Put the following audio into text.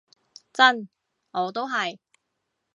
真，我都係